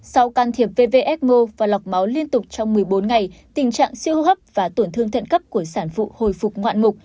sau can thiệp vvsmo và lọc máu liên tục trong một mươi bốn ngày tình trạng siêu hô hấp và tổn thương thận cấp của sản phụ hồi phục ngoạn mục